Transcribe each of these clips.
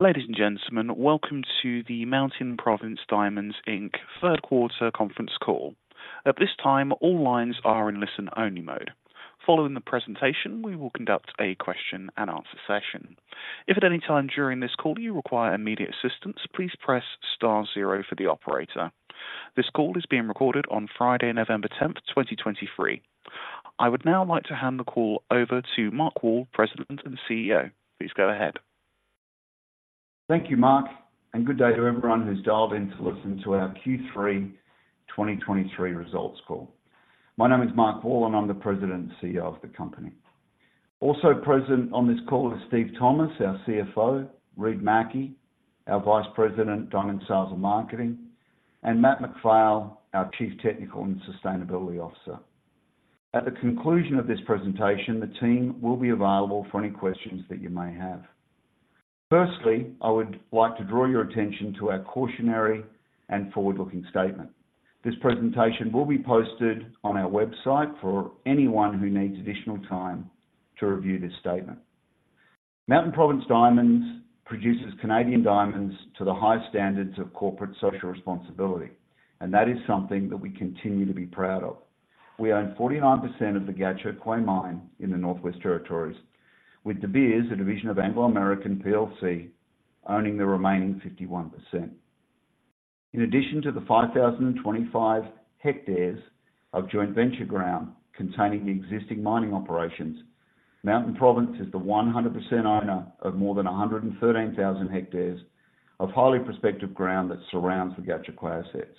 Ladies and gentlemen, welcome to the Mountain Province Diamonds Inc third quarter conference call. At this time, all lines are in listen-only mode. Following the presentation, we will conduct a question and answer session. If at any time during this call you require immediate assistance, please press star zero for the operator. This call is being recorded on Friday, November 10th, 2023. I would now like to hand the call over to Mark Wall, President and CEO. Please go ahead. Thank you, Mark, and good day to everyone who's dialed in to listen to our Q3 2023 results call. My name is Mark Wall, and I'm the President and CEO of the company. Also present on this call is Steve Thomas, our CFO, Reid Mackie, our Vice President, Diamond Sales and Marketing, and Matt MacPhail, our Chief Technical and Sustainability Officer. At the conclusion of this presentation, the team will be available for any questions that you may have. Firstly, I would like to draw your attention to our cautionary and forward-looking statement. This presentation will be posted on our website for anyone who needs additional time to review this statement. Mountain Province Diamonds produces Canadian diamonds to the high standards of corporate social responsibility, and that is something that we continue to be proud of. We own 49% of the Gahcho Kué Mine in the Northwest Territories, with De Beers, a division of Anglo American plc, owning the remaining 51%. In addition to the 5,025 hectares of joint venture ground containing the existing mining operations, Mountain Province is the 100% owner of more than 113,000 hectares of highly prospective ground that surrounds the Gahcho Kué assets,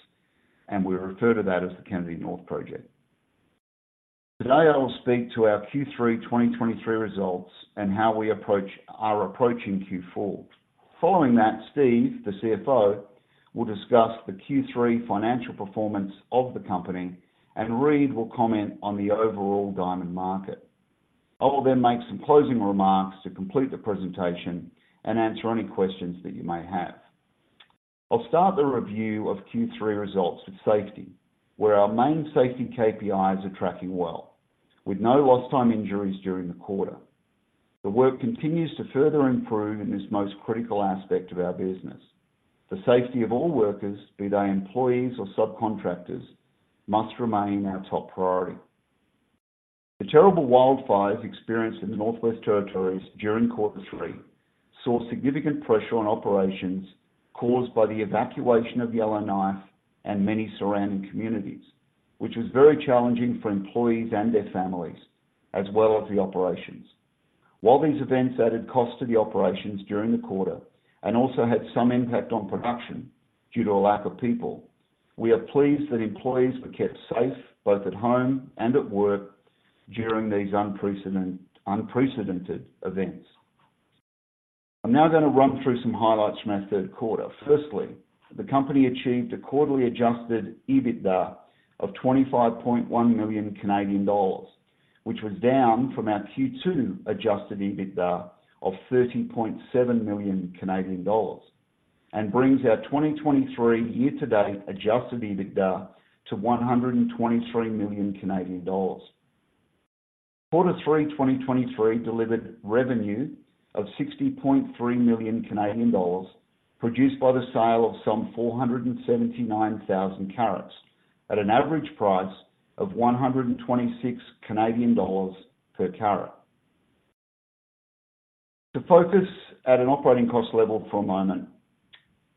and we refer to that as the Kennady North Project. Today, I will speak to our Q3 2023 results and how we approach, are approaching Q4. Following that, Steve, the CFO, will discuss the Q3 financial performance of the company, and Reid will comment on the overall diamond market. I will then make some closing remarks to complete the presentation and answer any questions that you may have. I'll start the review of Q3 results with safety, where our main safety KPIs are tracking well, with no lost time injuries during the quarter. The work continues to further improve in this most critical aspect of our business. The safety of all workers, be they employees or subcontractors, must remain our top priority. The terrible wildfires experienced in the Northwest Territories during quarter three saw significant pressure on operations caused by the evacuation of Yellowknife and many surrounding communities, which was very challenging for employees and their families, as well as the operations. While these events added cost to the operations during the quarter and also had some impact on production due to a lack of people, we are pleased that employees were kept safe both at home and at work during these unprecedented events. I'm now gonna run through some highlights from our third quarter. Firstly, the company achieved a quarterly adjusted EBITDA of 25.1 million Canadian dollars, which was down from our Q2 adjusted EBITDA of 30.7 million Canadian dollars, and brings our 2023 year-to-date adjusted EBITDA to 123 million Canadian dollars. Quarter three 2023 delivered revenue of 60.3 million Canadian dollars, produced by the sale of some 479,000 carats at an average price of 126 Canadian dollars per carat. To focus at an operating cost level for a moment,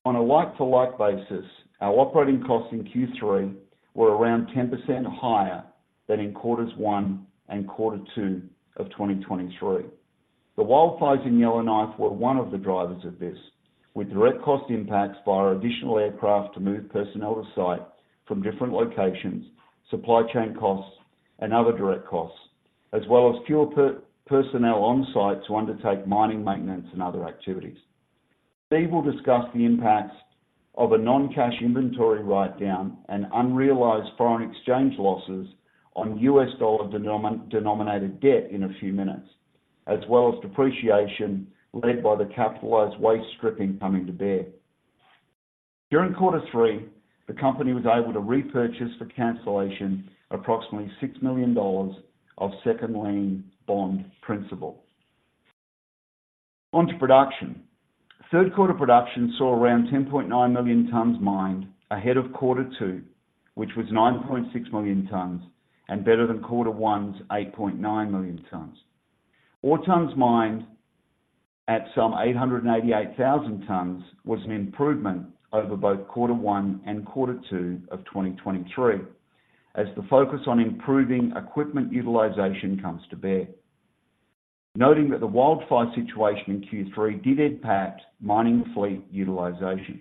on a like-to-like basis, our operating costs in Q3 were around 10% higher than in quarters one and quarter two of 2023. The wildfires in Yellowknife were one of the drivers of this, with direct cost impacts via additional aircraft to move personnel to site from different locations, supply chain costs and other direct costs, as well as fewer personnel on site to undertake mining, maintenance, and other activities. Steve will discuss the impacts of a non-cash inventory write-down and unrealized foreign exchange losses on U.S. dollar denominated debt in a few minutes, as well as depreciation led by the capitalized waste stripping coming to bear. During quarter three, the company was able to repurchase for cancellation approximately $6 million of second lien bond principal. On to production. Third quarter production saw around 10.9 million tons mined ahead of quarter two, which was 9.6 million tons, and better than quarter one's 8.9 million tons. Ore tons mined at some 888,000 tons, was an improvement over both quarter one and quarter two of 2023, as the focus on improving equipment utilization comes to bear. Noting that the wildfire situation in Q3 did impact mining fleet utilization.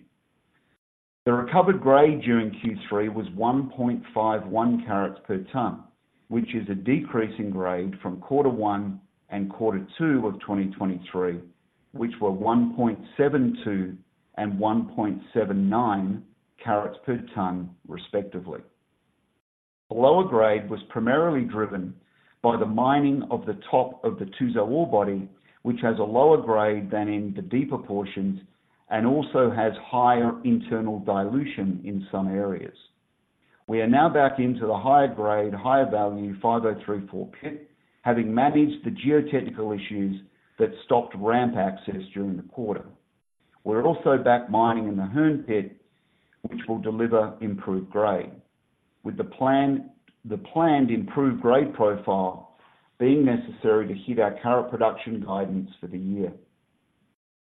The recovered grade during Q3 was 1.51 carats per ton, which is a decrease in grade from Q1 and Q2 of 2023, which were 1.72 and 1.79 carats per ton, respectively. The lower grade was primarily driven by the mining of the top of the Tuzo ore body, which has a lower grade than in the deeper portions and also has higher internal dilution in some areas. We are now back into the higher grade, higher value 5034 pit, having managed the geotechnical issues that stopped ramp access during the quarter. We're also back mining in the Hearne pit, which will deliver improved grade, with the plan, the planned improved grade profile being necessary to hit our current production guidance for the year.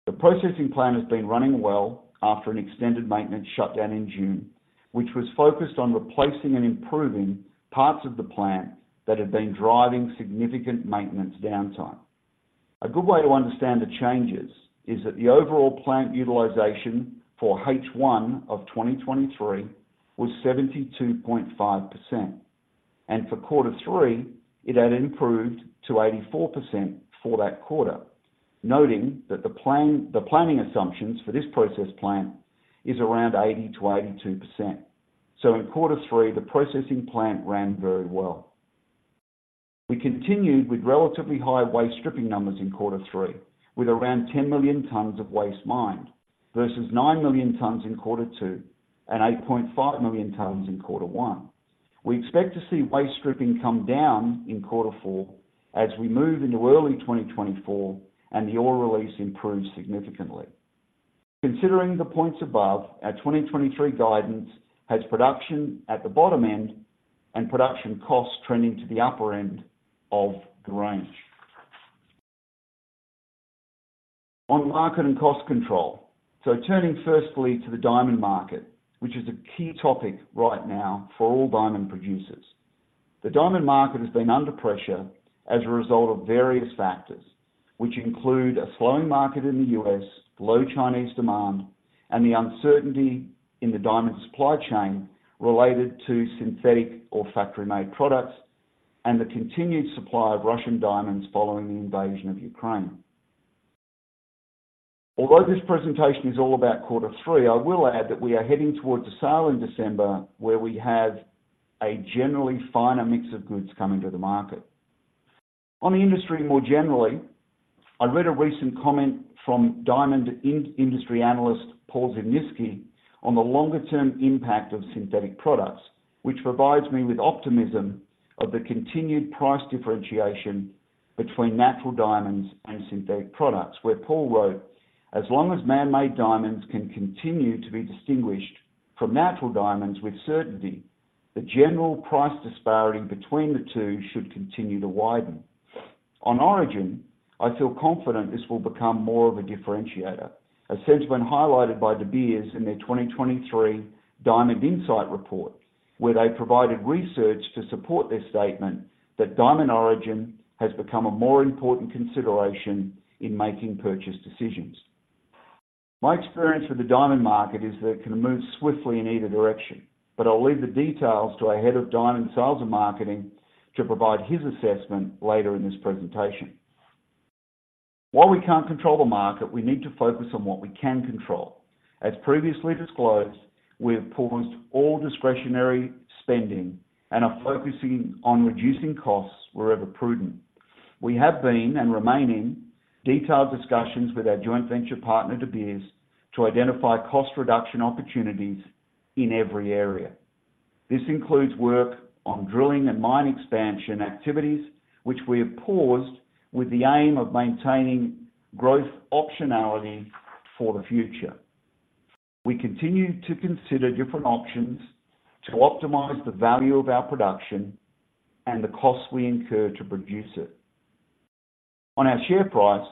The processing plant has been running well after an extended maintenance shutdown in June, which was focused on replacing and improving parts of the plant that have been driving significant maintenance downtime. A good way to understand the changes is that the overall plant utilization for H1 of 2023 was 72.5%, and for quarter three, it had improved to 84% for that quarter, noting that the plan, the planning assumptions for this process plant is around 80%-82%. So in quarter three, the processing plant ran very well. We continued with relatively high waste stripping numbers in quarter three, with around 10 million tons of waste mined, versus 9 million tons in quarter two and 8.5 million tons in quarter one. We expect to see waste stripping come down in quarter four as we move into early 2024 and the ore release improves significantly. Considering the points above, our 2023 guidance has production at the bottom end and production costs trending to the upper end of the range. On market and cost control. So turning firstly to the diamond market, which is a key topic right now for all diamond producers. The diamond market has been under pressure as a result of various factors, which include a slowing market in the U.S., low Chinese demand, and the uncertainty in the diamond supply chain related to synthetic or factory-made products, and the continued supply of Russian diamonds following the invasion of Ukraine. Although this presentation is all about quarter three, I will add that we are heading towards a sale in December, where we have a generally finer mix of goods coming to the market. On the industry more generally, I read a recent comment from diamond industry analyst, Paul Zimnisky, on the longer-term impact of synthetic products, which provides me with optimism of the continued price differentiation between natural diamonds and synthetic products, where Paul wrote, "As long as man-made diamonds can continue to be distinguished from natural diamonds with certainty, the general price disparity between the two should continue to widen." On origin, I feel confident this will become more of a differentiator, as has been highlighted by De Beers in their 2023 Diamond Insight Report, where they provided research to support their statement that diamond origin has become a more important consideration in making purchase decisions. My experience with the diamond market is that it can move swiftly in either direction, but I'll leave the details to our head of diamond sales and marketing to provide his assessment later in this presentation. While we can't control the market, we need to focus on what we can control. As previously disclosed, we have paused all discretionary spending and are focusing on reducing costs wherever prudent. We have been, and remain in, detailed discussions with our joint venture partner, De Beers, to identify cost reduction opportunities in every area. This includes work on drilling and mine expansion activities, which we have paused with the aim of maintaining growth optionality for the future. We continue to consider different options to optimize the value of our production and the costs we incur to produce it. On our share price,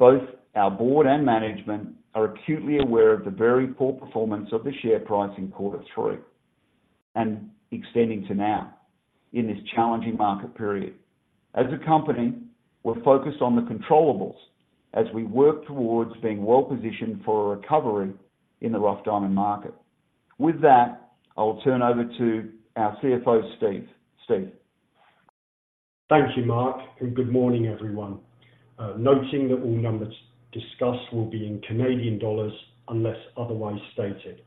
both our board and management are acutely aware of the very poor performance of the share price in quarter three, and extending to now in this challenging market period. As a company, we're focused on the controllables as we work towards being well positioned for a recovery in the rough diamond market. With that, I'll turn over to our CFO, Steve. Steve? Thank you, Mark, and good morning, everyone. Noting that all numbers discussed will be in Canadian dollars, unless otherwise stated.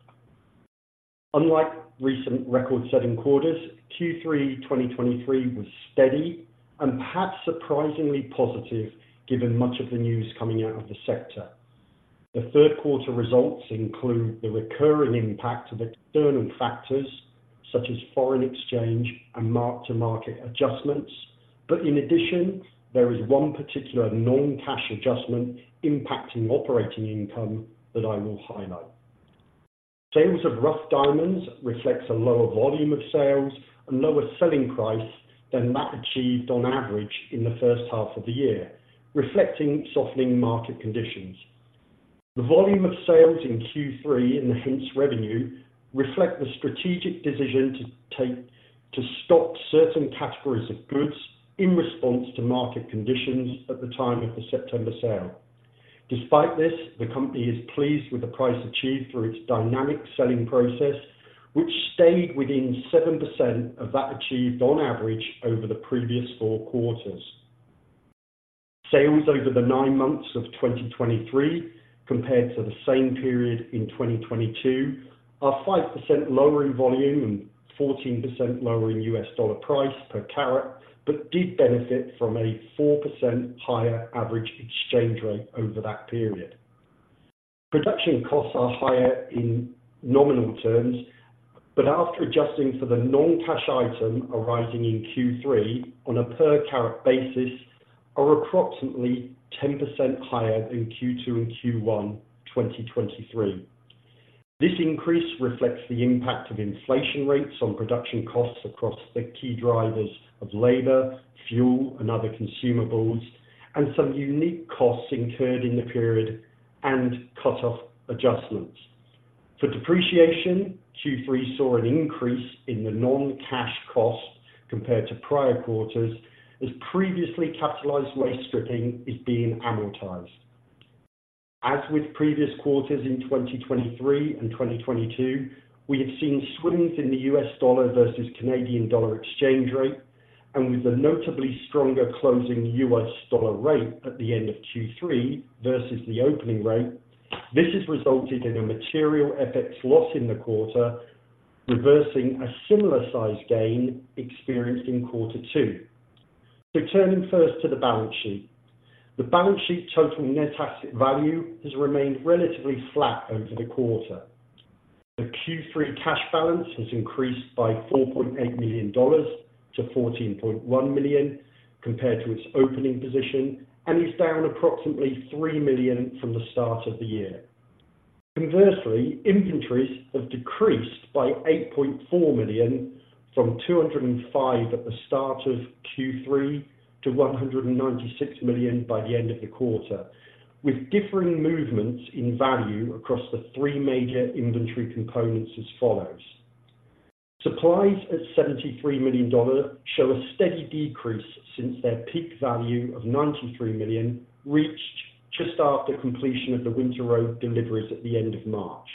Unlike recent record-setting quarters, Q3 2023 was steady and perhaps surprisingly positive, given much of the news coming out of the sector. The third quarter results include the recurring impact of external factors, such as foreign exchange and mark-to-market adjustments. But in addition, there is one particular non-cash adjustment impacting operating income that I will highlight. Sales of rough diamonds reflects a lower volume of sales and lower selling price than that achieved on average in the first half of the year, reflecting softening market conditions. The volume of sales in Q3, and hence revenue, reflect the strategic decision to stop certain categories of goods in response to market conditions at the time of the September sale. Despite this, the company is pleased with the price achieved through its dynamic selling process, which stayed within 7% of that achieved on average over the previous four quarters. Sales over the nine months of 2023, compared to the same period in 2022, are 5% lower in volume and 14% lower in U.S. dollar price per carat, but did benefit from a 4% higher average exchange rate over that period. Production costs are higher in nominal terms, but after adjusting for the non-cash item arising in Q3 on a per carat basis, are approximately 10% higher than Q2 and Q1, 2023. This increase reflects the impact of inflation rates on production costs across the key drivers of labor, fuel, and other consumables, and some unique costs incurred in the period and cut-off adjustments. For depreciation, Q3 saw an increase in the non-cash cost compared to prior quarters, as previously capitalized waste stripping is being amortized. As with previous quarters in 2023 and 2022, we have seen swings in the U.S. dollar versus Canadian dollar exchange rate, and with a notably stronger closing U.S. dollar rate at the end of Q3 versus the opening rate, this has resulted in a material FX loss in the quarter, reversing a similar size gain experienced in quarter two. Turning first to the balance sheet. The balance sheet total net asset value has remained relatively flat over the quarter. The Q3 cash balance has increased by 4.8 million dollars to 14.1 million, compared to its opening position, and is down approximately 3 million from the start of the year. Conversely, inventories have decreased by 8.4 million, from 205 million at the start of Q3 to 196 million by the end of the quarter, with differing movements in value across the three major inventory components as follows: Supplies at 73 million dollars show a steady decrease since their peak value of 93 million, reached just after completion of the Winter Road deliveries at the end of March.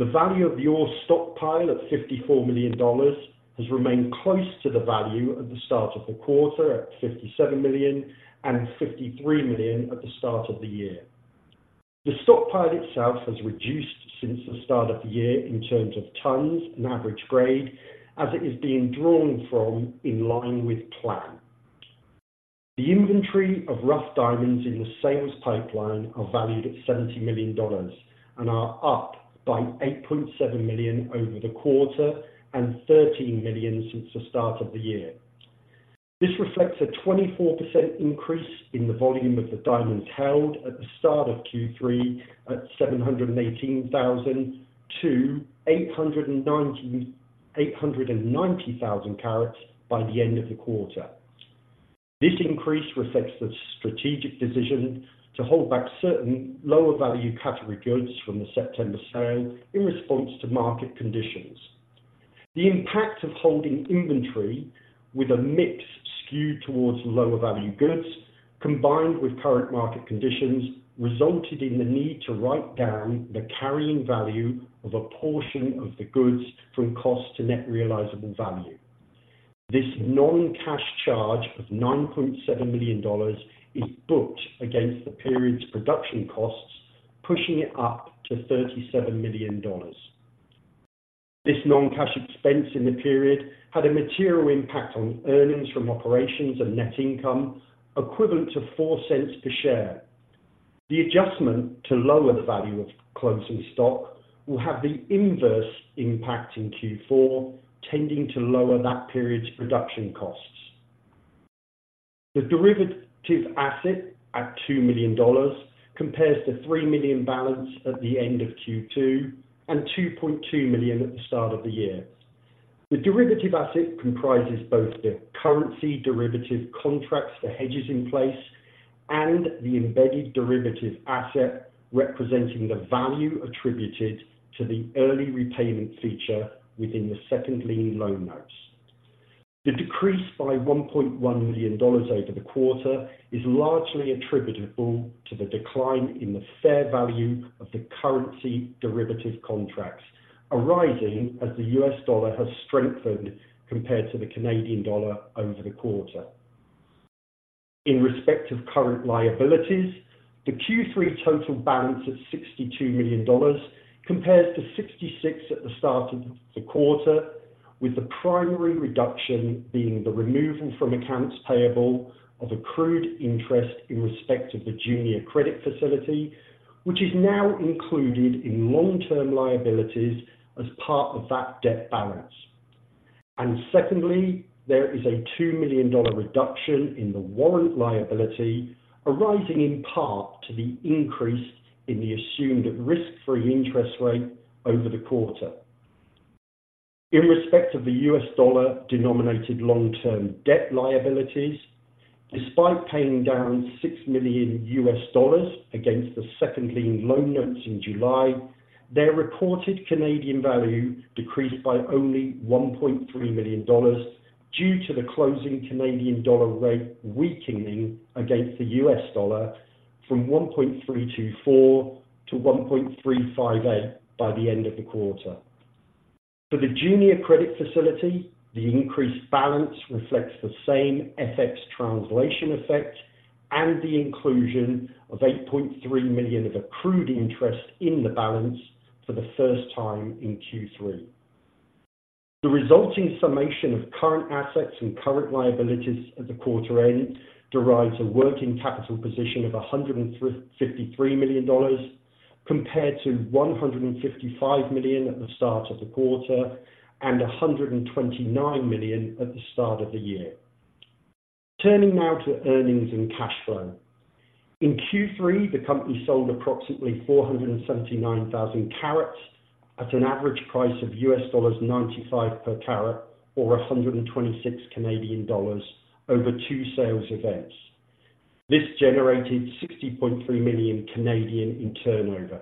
The value of the ore stockpile at 54 million dollars has remained close to the value at the start of the quarter, at 57 million and 53 million at the start of the year. The stockpile itself has reduced since the start of the year in terms of tons and average grade, as it is being drawn from in line with plan. The inventory of rough diamonds in the sales pipeline are valued at 70 million dollars and are up by 8.7 million over the quarter and 13 million since the start of the year. This reflects a 24% increase in the volume of the diamonds held at the start of Q3 at 718,000 to 890,000 carats by the end of the quarter. This increase reflects the strategic decision to hold back certain lower value category goods from the September sale in response to market conditions. The impact of holding inventory with a mix skewed towards lower value goods, combined with current market conditions, resulted in the need to write down the carrying value of a portion of the goods from cost to net realizable value. This non-cash charge of 9.7 million dollars is booked against the period's production costs, pushing it up to 37 million dollars. This non-cash expense in the period had a material impact on earnings from operations and net income, equivalent to 0.04 per share. The adjustment to lower the value of closing stock will have the inverse impact in Q4, tending to lower that period's production costs. The derivative asset at 2 million dollars compares to 3 million balance at the end of Q2 and 2.2 million at the start of the year. The derivative asset comprises both the currency derivative contracts, the hedges in place, and the embedded derivative asset, representing the value attributed to the early repayment feature within the second lien loan notes. The decrease by 1.1 million dollars over the quarter is largely attributable to the decline in the fair value of the currency derivative contracts, arising as the U.S. dollar has strengthened compared to the Canadian dollar over the quarter. In respect of current liabilities, the Q3 total balance of 62 million dollars compares to 66 million at the start of the quarter, with the primary reduction being the removal from accounts payable of accrued interest in respect of the junior credit facility, which is now included in long-term liabilities as part of that debt balance. And secondly, there is a 2 million dollar reduction in the warrant liability, arising in part to the increase in the assumed risk-free interest rate over the quarter. In respect of the U.S. dollar-denominated long-term debt liabilities, despite paying down $6 million against the second lien loan notes in July, their reported Canadian value decreased by only 1.3 million dollars, due to the closing Canadian dollar rate weakening against the U.S. dollar from 1.324 to 1.358 by the end of the quarter. For the junior credit facility, the increased balance reflects the same FX translation effect and the inclusion of 8.3 million of accrued interest in the balance for the first time in Q3. The resulting summation of current assets and current liabilities at the quarter end derives a working capital position of 153 million dollars, compared to 155 million at the start of the quarter, and 129 million at the start of the year. Turning now to earnings and cash flow. In Q3, the company sold approximately 479,000 carats at an average price of $95 per carat, or 126 Canadian dollars over two sales events. This generated 60.3 million in turnover.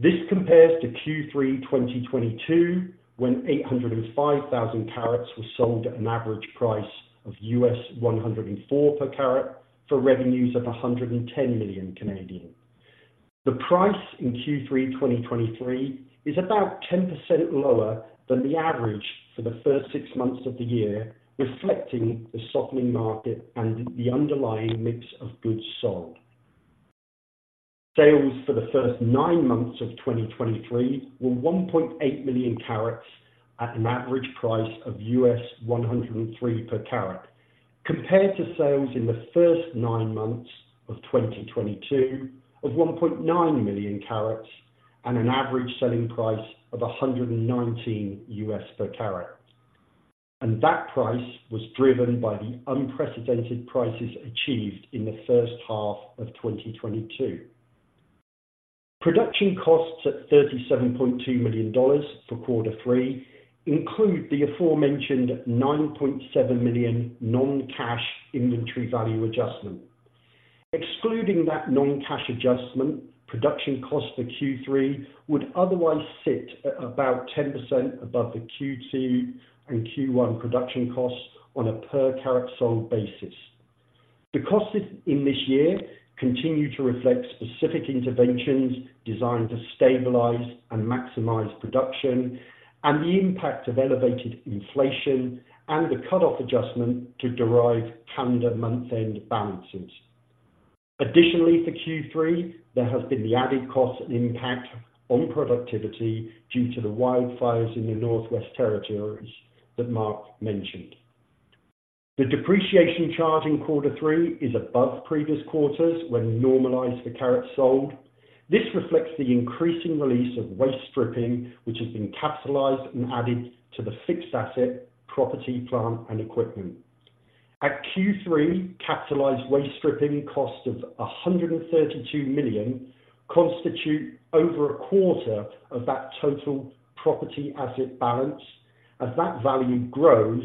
This compares to Q3 2022, when 805,000 carats were sold at an average price of $104 per carat, for revenues of 110 million. The price in Q3 2023 is about 10% lower than the average for the first six months of the year, reflecting the softening market and the underlying mix of goods sold. Sales for the first nine months of 2023 were 1.8 million carats at an average price of $103 per carat, compared to sales in the first nine months of 2022 of 1.9 million carats and an average selling price of $119 per carat. That price was driven by the unprecedented prices achieved in the first half of 2022. Production costs at 37.2 million dollars for quarter three include the aforementioned 9.7 million non-cash inventory value adjustment. Excluding that non-cash adjustment, production costs for Q3 would otherwise sit at about 10% above the Q2 and Q1 production costs on a per carat sold basis. The costs in this year continue to reflect specific interventions designed to stabilize and maximize production, and the impact of elevated inflation and the cut-off adjustment to derive calendar month-end balances. Additionally, for Q3, there has been the added cost impact on productivity due to the wildfires in the Northwest Territories that Mark mentioned. The depreciation charge in quarter three is above previous quarters when normalized for carats sold. This reflects the increasing release of waste stripping, which has been capitalized and added to the fixed asset, property, plant, and equipment. At Q3, capitalized waste stripping cost of 132 million constitute over a quarter of that total property asset balance. As that value grows,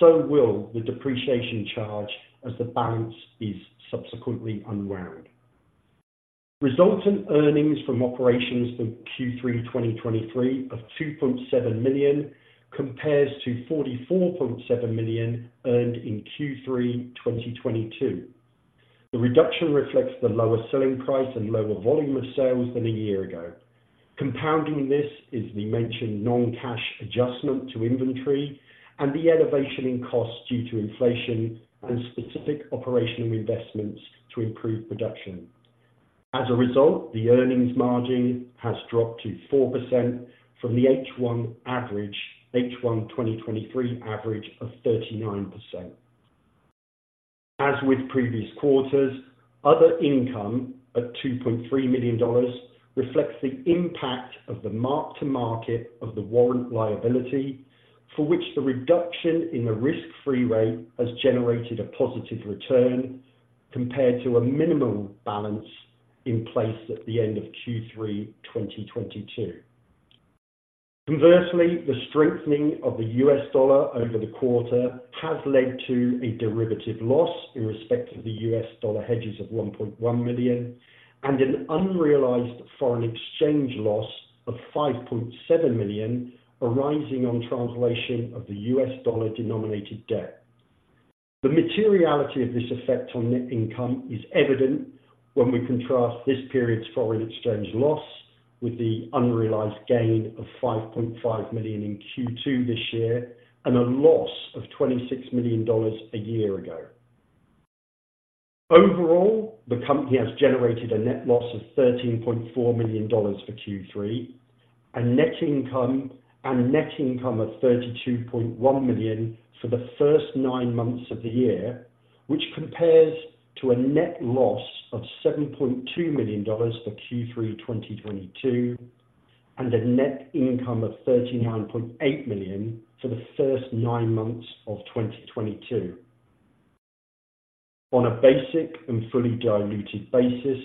so will the depreciation charge as the balance is subsequently unwound. Resultant earnings from operations for Q3 2023 of 2.7 million compares to 44.7 million earned in Q3 2022. The reduction reflects the lower selling price and lower volume of sales than a year ago. Compounding this is the mentioned non-cash adjustment to inventory and the elevation in costs due to inflation and specific operational investments to improve production. As a result, the earnings margin has dropped to 4% from the H1 average, H1 2023 average of 39%. As with previous quarters, other income at 2.3 million dollars reflects the impact of the mark-to-market of the warrant liability, for which the reduction in the risk-free rate has generated a positive return compared to a minimum balance in place at the end of Q3 2022. Conversely, the strengthening of the U.S. dollar over the quarter has led to a derivative loss in respect of the U.S. dollar hedges of 1.1 million, and an unrealized foreign exchange loss of 5.7 million, arising on translation of the U.S. dollar-denominated debt. The materiality of this effect on net income is evident when we contrast this period's foreign exchange loss with the unrealized gain of 5.5 million in Q2 this year, and a loss of 26 million dollars a year ago. Overall, the company has generated a net loss of 13.4 million dollars for Q3, and net income, and net income of 32.1 million for the first nine months of the year, which compares to a net loss of 7.2 million dollars for Q3, 2022, and a net income of 39.8 million for the first nine months of 2022. On a basic and fully diluted basis,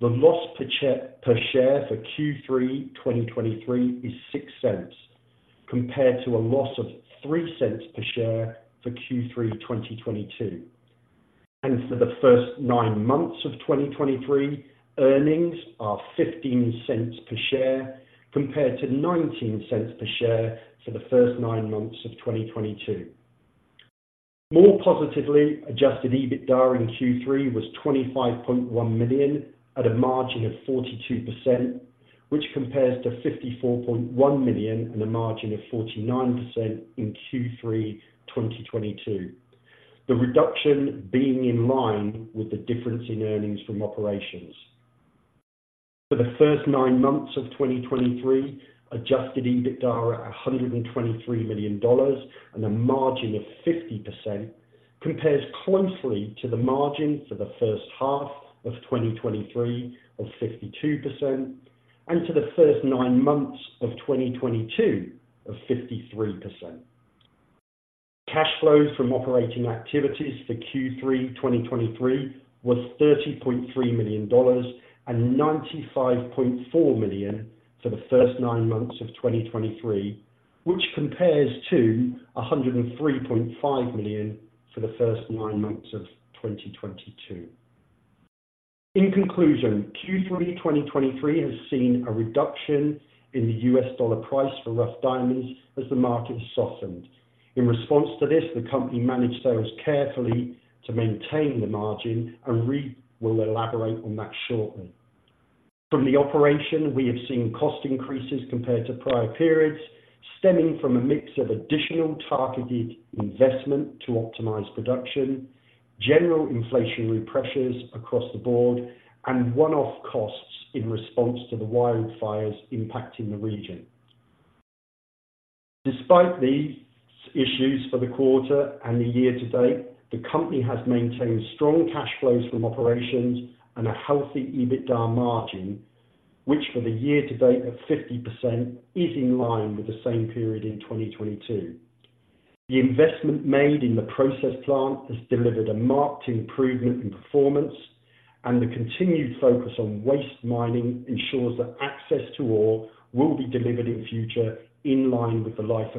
the loss per share for Q3, 2023, is 0.06, compared to a loss of 0.03 per share for Q3, 2022. For the first nine months of 2023, earnings are 0.15 per share, compared to 0.19 per share for the first nine months of 2022. More positively, adjusted EBITDA in Q3 was 25.1 million at a margin of 42%, which compares to 54.1 million at a margin of 49% in Q3 2022. The reduction being in line with the difference in earnings from operations. For the first nine months of 2023, adjusted EBITDA at 123 million dollars and a margin of 50%, compares closely to the margin for the first half of 2023 of 52%, and to the first nine months of 2022 of 53%. Cash flows from operating activities for Q3 2023 was 30.3 million dollars, and 95.4 million for the first nine months of 2023, which compares to 103.5 million for the first nine months of 2022. In conclusion, Q3 2023 has seen a reduction in the U.S. dollar price for rough diamonds as the market has softened. In response to this, the company managed sales carefully to maintain the margin, and Reid will elaborate on that shortly. From the operation, we have seen cost increases compared to prior periods, stemming from a mix of additional targeted investment to optimize production, general inflationary pressures across the board, and one-off costs in response to the wildfires impacting the region. Despite these issues for the quarter and the year to date, the company has maintained strong cash flows from operations and a healthy EBITDA margin, which for the year to date of 50%, is in line with the same period in 2022. The investment made in the process plant has delivered a marked improvement in performance, and the continued focus on waste mining ensures that access to ore will be delivered in future, in line with the life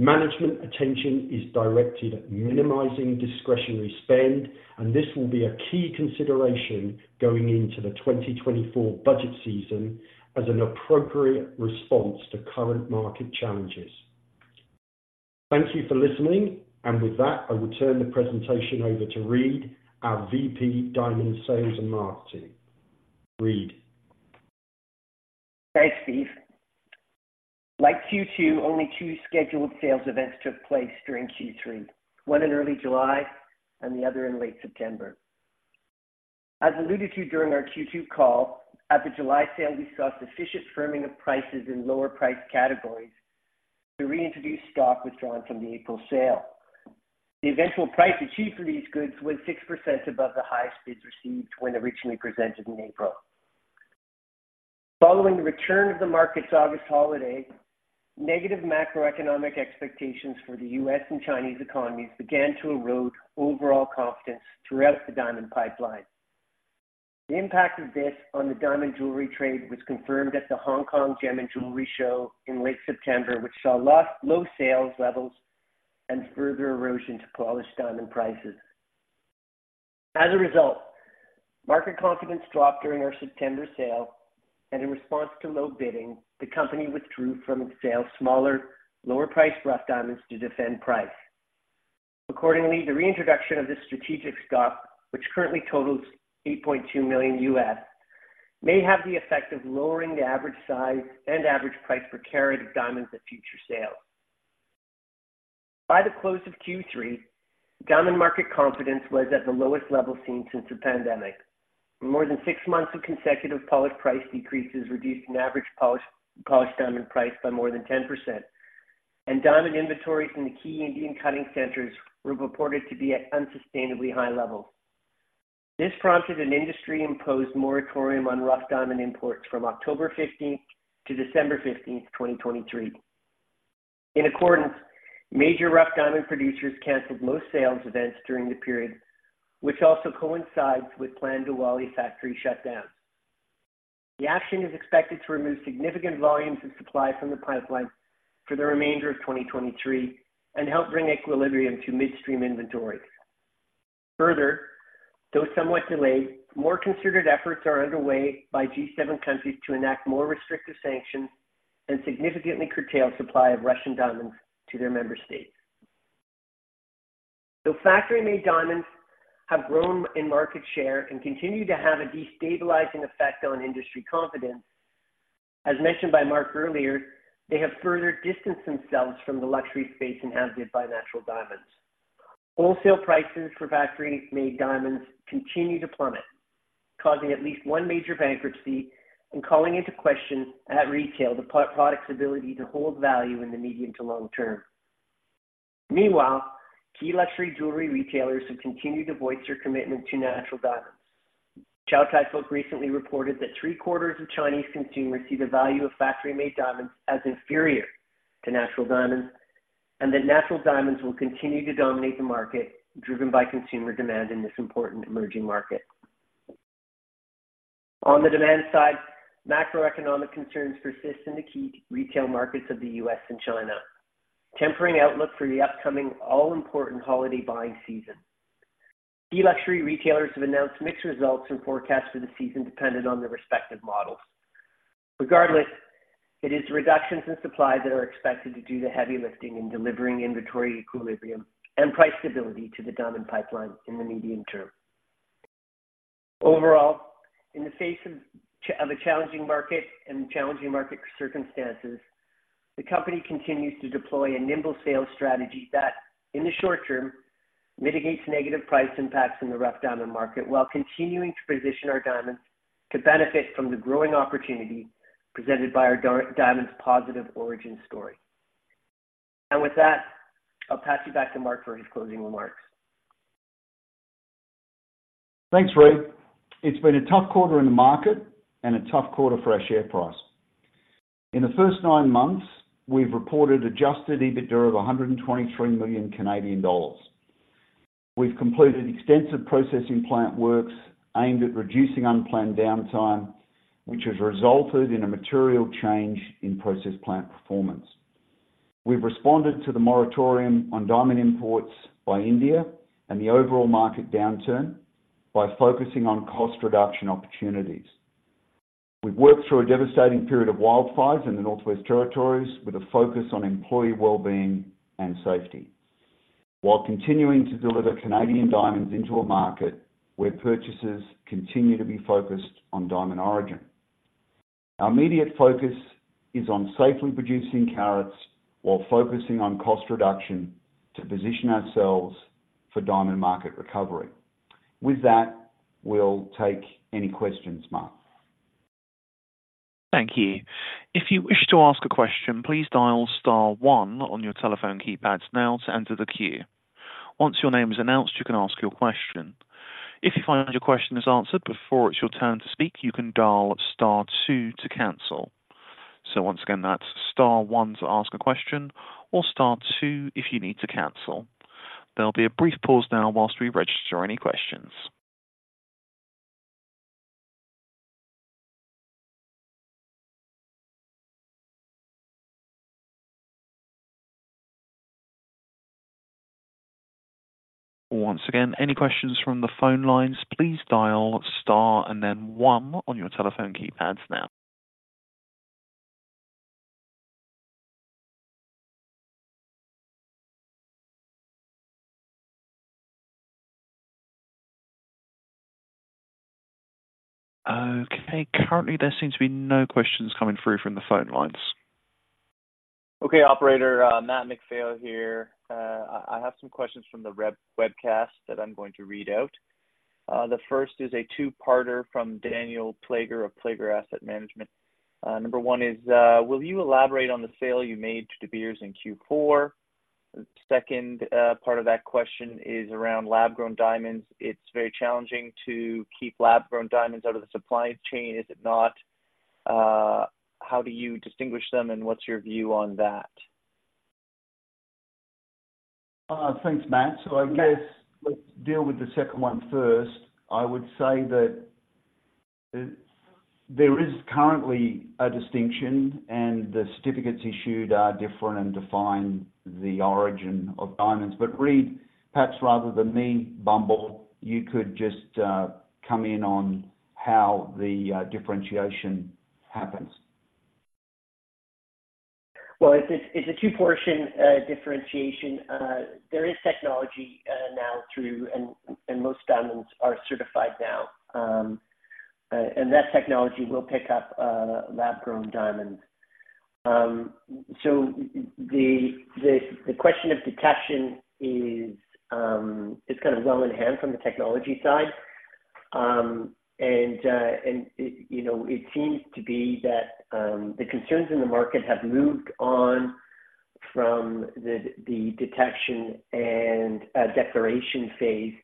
of mine plan. Management attention is directed at minimizing discretionary spend, and this will be a key consideration going into the 2024 budget season as an appropriate response to current market challenges. Thank you for listening, and with that, I will turn the presentation over to Reid, our VP, Diamond Sales and Marketing. Reid? Thanks, Steve. Like Q2, only two scheduled sales events took place during Q3, one in early July and the other in late September. As alluded to during our Q2 call, at the July sale, we saw sufficient firming of prices in lower price categories to reintroduce stock withdrawn from the April sale. The eventual price achieved for these goods was 6% above the highest bids received when originally presented in April. Following the return of the market's August holiday, negative macroeconomic expectations for the U.S. and Chinese economies began to erode overall confidence throughout the diamond pipeline. The impact of this on the diamond jewelry trade was confirmed at the Hong Kong Gem and Jewelry Show in late September, which saw low sales levels and further erosion to polished diamond prices. As a result, market confidence dropped during our September sale, and in response to low bidding, the company withdrew from its sale smaller, lower-priced rough diamonds to defend price. Accordingly, the reintroduction of this strategic stock, which currently totals $8.2 million, may have the effect of lowering the average size and average price per carat of diamonds at future sales. By the close of Q3, diamond market confidence was at the lowest level seen since the pandemic. More than six months of consecutive polished price decreases, reduced an average polish, polished diamond price by more than 10%, and diamond inventories in the key Indian cutting centers were reported to be at unsustainably high levels. This prompted an industry-imposed moratorium on rough diamond imports from October 15th to December 15th, 2023. In accordance, major rough diamond producers canceled most sales events during the period, which also coincides with planned Diwali factory shutdown. The action is expected to remove significant volumes of supply from the pipeline for the remainder of 2023, and help bring equilibrium to midstream inventory. Further, though somewhat delayed, more considered efforts are underway by G7 countries to enact more restrictive sanctions and significantly curtail supply of Russian diamonds to their member states. Though factory-made diamonds have grown in market share and continue to have a destabilizing effect on industry confidence, as mentioned by Mark earlier, they have further distanced themselves from the luxury space inhabited by natural diamonds. Wholesale prices for factory-made diamonds continue to plummet, causing at least one major bankruptcy and calling into question at retail, the product's ability to hold value in the medium to long term. Meanwhile, key luxury jewelry retailers have continued to voice their commitment to natural diamonds. Chow Tai Fook recently reported that 3/4 of Chinese consumers see the value of factory-made diamonds as inferior to natural diamonds, and that natural diamonds will continue to dominate the market, driven by consumer demand in this important emerging market. On the demand side, macroeconomic concerns persist in the key retail markets of the U.S. and China, tempering outlook for the upcoming all-important holiday buying season. Key luxury retailers have announced mixed results and forecasts for the season, dependent on their respective models. Regardless, it is reductions in supply that are expected to do the heavy lifting in delivering inventory equilibrium and price stability to the diamond pipeline in the medium term. Overall, in the face of a challenging market and challenging market circumstances. The company continues to deploy a nimble sales strategy that, in the short term, mitigates negative price impacts in the rough diamond market, while continuing to position our diamonds to benefit from the growing opportunity presented by our diamonds positive origin story. With that, I'll pass you back to Mark for his closing remarks. Thanks, Reid. It's been a tough quarter in the market and a tough quarter for our share price. In the first nine months, we've reported adjusted EBITDA of 123 million Canadian dollars. We've completed extensive processing plant works aimed at reducing unplanned downtime, which has resulted in a material change in process plant performance. We've responded to the moratorium on diamond imports by India and the overall market downturn by focusing on cost reduction opportunities. We've worked through a devastating period of wildfires in the Northwest Territories with a focus on employee well-being and safety, while continuing to deliver Canadian diamonds into a market where purchases continue to be focused on diamond origin. Our immediate focus is on safely producing carats while focusing on cost reduction to position ourselves for diamond market recovery. With that, we'll take any questions. Mark? Thank you. If you wish to ask a question, please dial star one on your telephone keypads now to enter the queue. Once your name is announced, you can ask your question. If you find your question is answered before it's your turn to speak, you can dial star two to cancel. So once again, that's star one to ask a question or star two if you need to cancel. There'll be a brief pause now while we register any questions. Once again, any questions from the phone lines, please dial star and then one on your telephone keypads now. Okay. Currently, there seems to be no questions coming through from the phone lines. Okay, operator, Matt MacPhail here. I have some questions from the webcast that I'm going to read out. The first is a two-parter from Daniel Plager, of Plager Asset Management. Number one is, will you elaborate on the sale you made to De Beers in Q4? The second part of that question is around lab-grown diamonds. It's very challenging to keep lab-grown diamonds out of the supply chain, is it not? How do you distinguish them, and what's your view on that? Thanks, Matt. So I guess let's deal with the second one first. I would say that there is currently a distinction, and the certificates issued are different and define the origin of diamonds. But Reid, perhaps rather than me bumble, you could just come in on how the differentiation happens. Well, it's a two-portion differentiation. There is technology now through, and most diamonds are certified now, and that technology will pick up lab-grown diamonds. So the question of detection is kind of well in hand from the technology side. And it, you know, it seems to be that the concerns in the market have moved on from the detection and declaration phase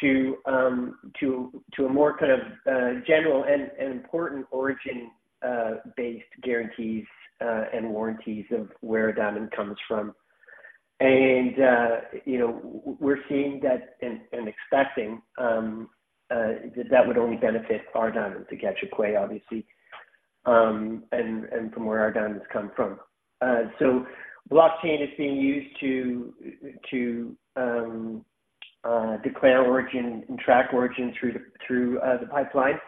to a more kind of general and important origin based guarantees and warranties of where a diamond comes from. And you know, we're seeing that and expecting that would only benefit our diamonds, the Gahcho Kué, obviously, and from where our diamonds come from. So blockchain is being used to declare origin and track origin through the pipeline.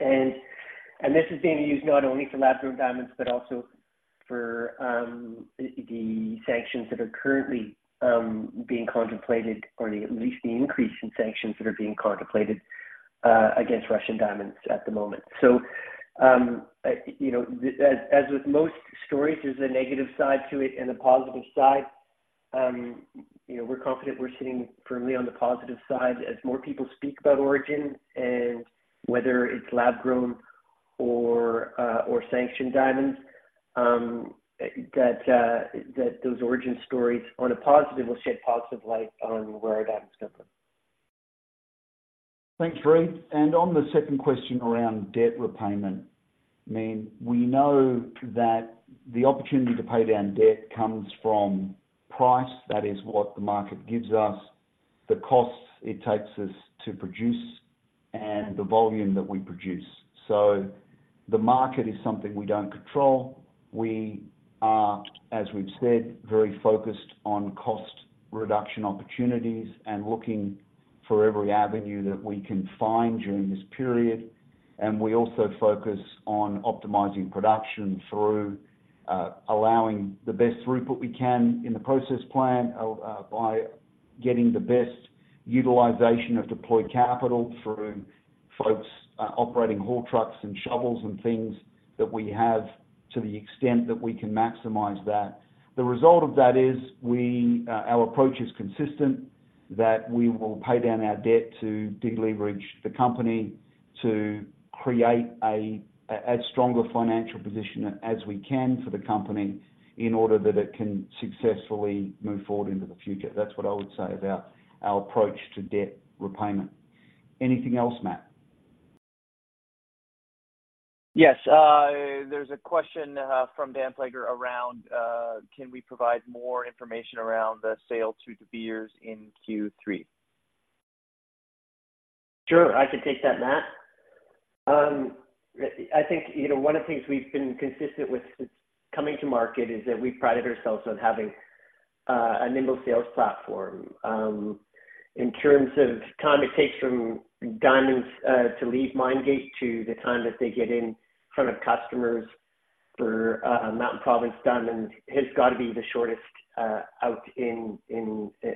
And this is being used not only for lab-grown diamonds, but also for the sanctions that are currently being contemplated, or at least the increase in sanctions that are being contemplated against Russian diamonds at the moment. So you know, as with most stories, there's a negative side to it and a positive side. You know, we're confident we're sitting firmly on the positive side as more people speak about origin and whether it's lab-grown or sanctioned diamonds, that those origin stories on a positive will shed positive light on where our diamonds come from. Thanks, Reid. On the second question around debt repayment, I mean, we know that the opportunity to pay down debt comes from price. That is what the market gives us, the costs it takes us to produce, and the volume that we produce. So the market is something we don't control. We are, as we've said, very focused on cost reduction opportunities and looking for every avenue that we can find during this period. We also focus on optimizing production through allowing the best throughput we can in the process plan by getting the best utilization of deployed capital through folks operating haul trucks and shovels and things that we have to the extent that we can maximize that. The result of that is we, our approach is consistent, that we will pay down our debt to deleverage the company to create a stronger financial position as we can for the company in order that it can successfully move forward into the future. That's what I would say about our approach to debt repayment. Anything else, Matt? Yes, there's a question from Dan Plager around can we provide more information around the sale to De Beers in Q3? Sure, I can take that, Matt. I think, you know, one of the things we've been consistent with since coming to market is that we prided ourselves on having a nimble sales platform. In terms of time it takes from diamonds to leave mine gate, to the time that they get in front of customers for Mountain Province Diamonds has got to be the shortest out in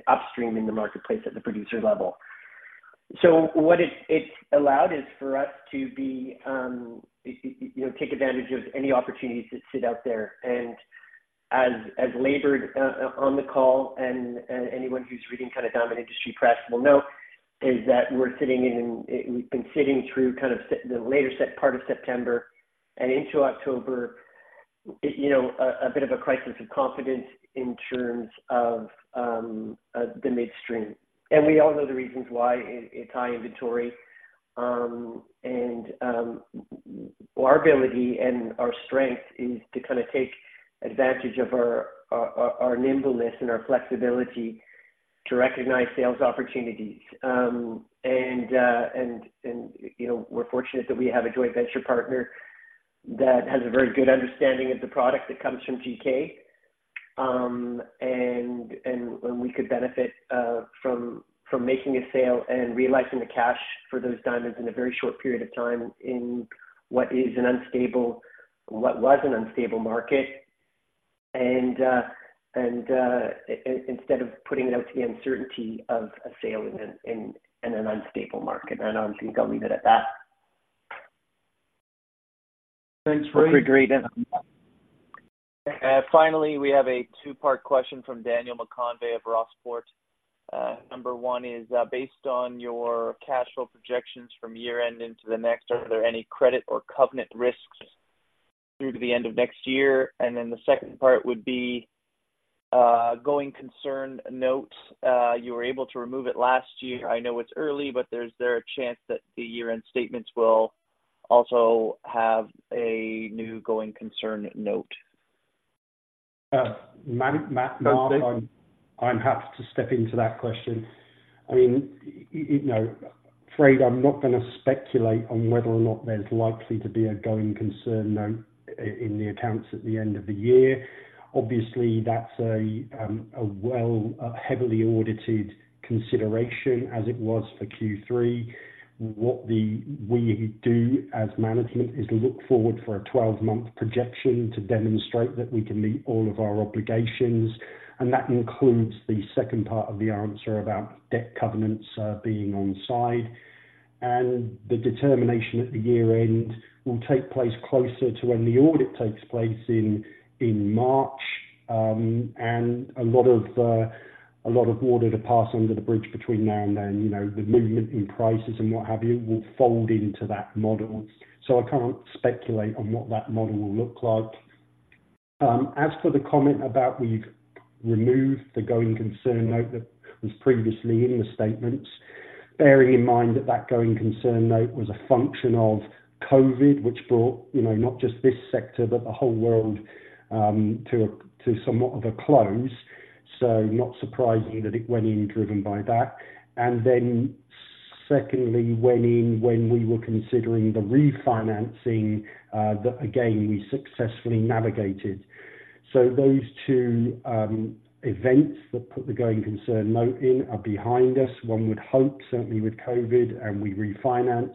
upstream in the marketplace at the producer level. So what it, it's allowed is for us to be, you know, take advantage of any opportunities that sit out there. As elaborated on the call, anyone who's reading kind of diamond industry press will know is that we're sitting in; we've been sitting through kind of the later part of September and into October, you know, a bit of a crisis of confidence in terms of the midstream. We all know the reasons why; it's high inventory. Our ability and our strength is to kinda take advantage of our nimbleness and our flexibility to recognize sales opportunities. You know, we're fortunate that we have a joint venture partner that has a very good understanding of the product that comes from GK. And when we could benefit from making a sale and realizing the cash for those diamonds in a very short period of time in what is an unstable... what was an unstable market, and instead of putting it out to the uncertainty of a sale in an unstable market. I think I'll leave it at that. Thanks, Reid. Agree then. Finally, we have a two-part question from Daniel McConvey of Rossport. Number one is, based on your cash flow projections from year-end into the next, are there any credit or covenant risks through to the end of next year? And then the second part would be, going concern note, you were able to remove it last year. I know it's early, but there, is there a chance that the year-end statements will also have a new going concern note? Matt, Matt, Mark, I'm happy to step into that question. I mean, you know, Fred, I'm not gonna speculate on whether or not there's likely to be a going concern note in the accounts at the end of the year. Obviously, that's a well-audited consideration, as it was for Q3. What we do as management is look forward for a 12-month projection to demonstrate that we can meet all of our obligations, and that includes the second part of the answer about debt covenants being on side. The determination at the year-end will take place closer to when the audit takes place in March. And a lot of water to pass under the bridge between now and then. You know, the movement in prices and what have you will fold into that model. So I can't speculate on what that model will look like. As for the comment about we've removed the going concern note that was previously in the statements, bearing in mind that that going concern note was a function of COVID, which brought, you know, not just this sector, but the whole world, to somewhat of a close, so not surprising that it went in driven by that. And then secondly, went in when we were considering the refinancing, that again, we successfully navigated. So those two, events that put the going concern note in are behind us. One would hope, certainly with COVID, and we refinanced,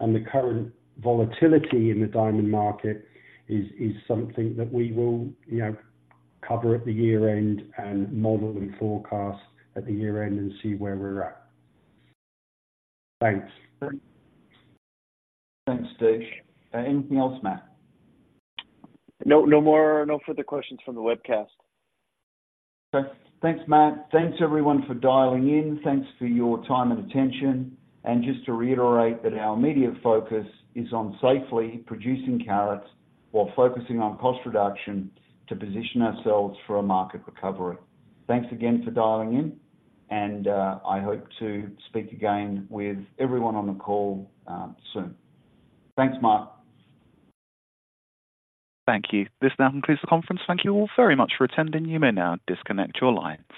and the current volatility in the diamond market is something that we will, you know, cover at the year-end and model and forecast at the year-end and see where we're at. Thanks. Thanks, Steve. Anything else, Matt? No, no more. No further questions from the webcast. Okay. Thanks, Matt. Thanks everyone for dialing in. Thanks for your time and attention, and just to reiterate that our immediate focus is on safely producing carats while focusing on cost reduction to position ourselves for a market recovery. Thanks again for dialing in, and I hope to speak again with everyone on the call soon. Thanks, Matt. Thank you. This now concludes the conference. Thank you all very much for attending. You may now disconnect your line.